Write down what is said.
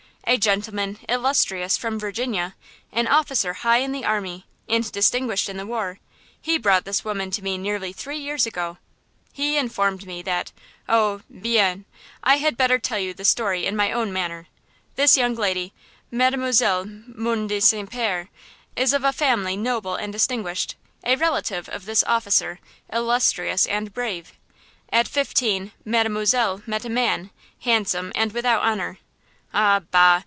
A gentleman, illustrious, from Virginia, an officer high in the army, and distinguished in the war, he brought this woman to me nearly three years ago. He informed me that–oh, bien! I had better tell you the story in my own manner. This young lady, Mademoiselle Mont de St. Pierre, is of a family noble and distinguished–a relative of this officer, illustrious and brave. At fifteen Mademoiselle met a man, handsome and without honor. Ah, bah!